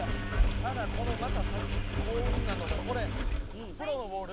ただこのまた先幸運なのがこれプロのボール。